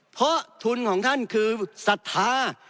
เพราะทุนของท่านคือศรัทธา